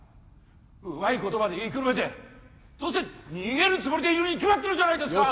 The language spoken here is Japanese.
うまい言葉で言いくるめてどうせ逃げるつもりでいるに決まってるじゃないですか